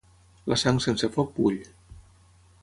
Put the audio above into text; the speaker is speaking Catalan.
La sang sense foc bull.